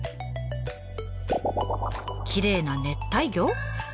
きれいな熱帯魚？